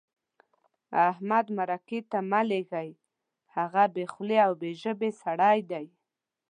احمد مرکې ته مه لېږئ؛ هغه بې خولې او بې ژبې سړی دی.